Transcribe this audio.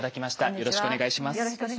よろしくお願いします。